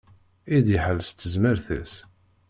I d-iḥal s tezmert-is.